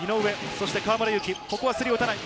そして河村勇輝、ここはスリーを打たない。